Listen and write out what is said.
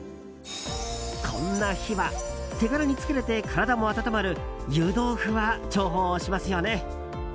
こんな日は手軽に作れて体も温まる湯豆腐は重宝しますよね。